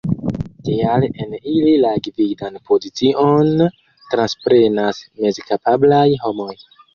Tial en ili la gvidan pozicion transprenas mezkapablaj homoj.